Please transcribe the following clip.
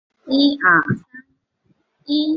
出生于犹他州盐湖城在密歇根州底特律长大。